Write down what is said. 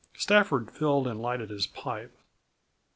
Stafford filled and lighted his pipe.